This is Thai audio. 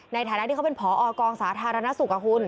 ในฐานะที่เขาเป็นผอกองสาธารณสุขอะคุณ